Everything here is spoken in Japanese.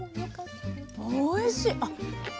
おいしい！